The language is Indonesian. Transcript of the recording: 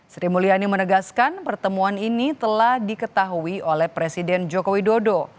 sri mulyani menegaskan pertemuan ini telah diketahui oleh presiden joko widodo